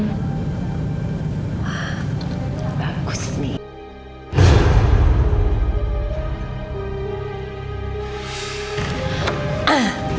wah bagus nih